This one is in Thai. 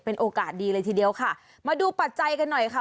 เป็นโอกาสดีเลยทีเดียวค่ะมาดูปัจจัยกันหน่อยค่ะ